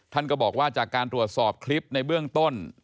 ท่านก็บอกว่าจากการตรวจสอบคลิปในเบื้องต้น